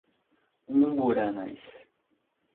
Umburanas